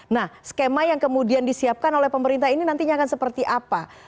nah skema yang kemudian disiapkan oleh pemerintah ini nantinya akan seperti apa